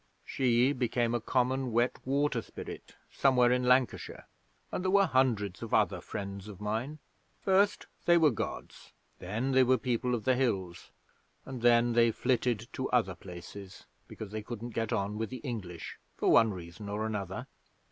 She became a common wet water spirit somewhere in Lancashire. And there were hundreds of other friends of mine. First they were Gods. Then they were People of the Hills, and then they flitted to other places because they couldn't get on with the English for one reason or another.